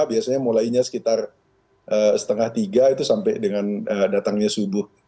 biasanya mulainya sekitar setengah tiga itu sampai dengan datangnya subuh